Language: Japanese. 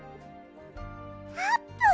あーぷん！